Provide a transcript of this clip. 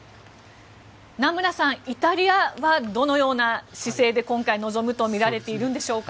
名村さん、イタリアはどのような姿勢で今回、臨むとみられているんでしょうか。